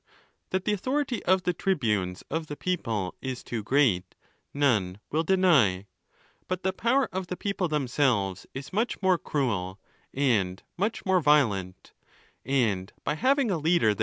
That the authority of the tribunes of the people is too great, none will deny; but the power of the people themselves: is much more cruel, and much more violent ; and by having a leader